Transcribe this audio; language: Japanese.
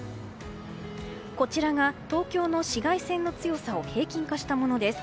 こちらが東京の紫外線の強さを平均化したものです。